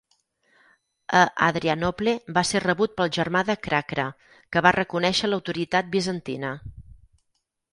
A Adrianople va ser rebut pel germà de Krakra, que va reconèixer l'autoritat bizantina.